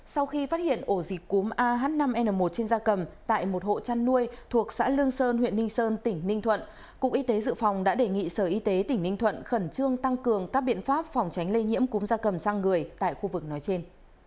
sau khi phát hiện ổ dịch cúm ah năm n một trên gia cầm tại một hộ chăn nuôi thuộc xã lương sơn huyện ninh sơn tỉnh ninh thuận cục y tế dự phòng đã đề nghị sở y tế tỉnh ninh thuận khẩn trương tăng cường các biện pháp phòng tránh lây nhiễm cúm da cầm sang người tại khu vực nói trên